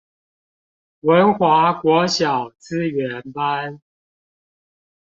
文華國小資源班